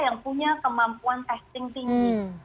yang punya kemampuan testing tinggi